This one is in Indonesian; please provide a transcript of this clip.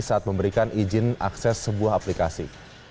saat memberikan izin akses sebuah aplikasi